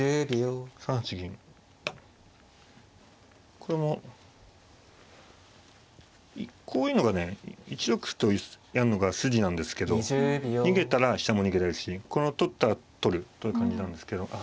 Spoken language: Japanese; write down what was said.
これもこういうのがね１六歩とやんのが筋なんですけど逃げたら飛車も逃げられるしこれを取ったら取るという感じなんですけど。